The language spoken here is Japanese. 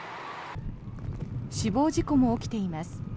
死亡事故も起きています。